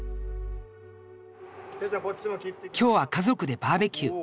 今日は家族でバーベキュー。